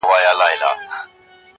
ښه دی ښه دی قاسم یار چي دېوانه دی,